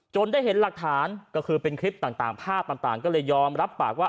ได้เห็นหลักฐานก็คือเป็นคลิปต่างภาพต่างก็เลยยอมรับปากว่า